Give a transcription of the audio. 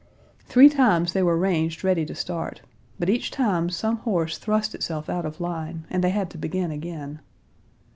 Three times they were ranged ready to start, but each time some horse thrust itself out of line, and they had to begin again.